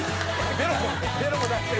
「ベロも出してる」